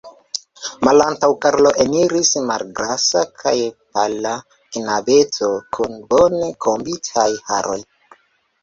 Malantaŭ Karlo eniris malgrasa kaj pala knabeto kun bone kombitaj haroj.